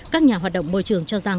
các nhà hoạt động môi trường cho rằng